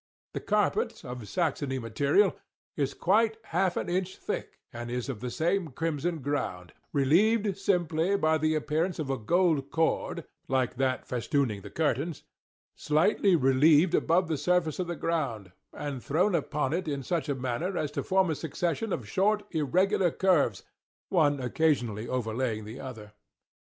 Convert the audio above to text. The carpet—of Saxony material—is quite half an inch thick, and is of the same crimson ground, relieved simply by the appearance of a gold cord (like that festooning the curtains) slightly relieved above the surface of the _ground, _and thrown upon it in such a manner as to form a succession of short irregular curves—one occasionally overlaying the other.